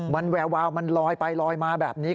มันแวววาวมันลอยไปลอยมาแบบนี้